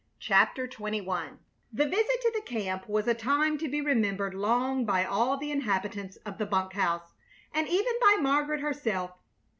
CHAPTER XXI The visit to the camp was a time to be remembered long by all the inhabitants of the bunk house, and even by Margaret herself.